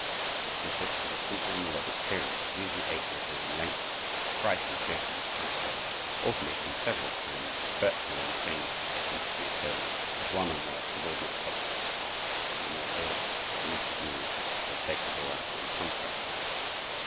It consists of a simple melodic period, usually eight measures in length, bright and cheerful in character, alternating several times, virtually unchanged at each reappearance, with one or more subordinate subjects, in a more lyric or dramatic mood, for the sake of variety and contrast.